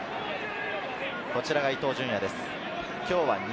こちらが伊東純也です。